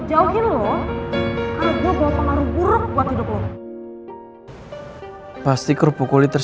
jadi ri' al dialek itu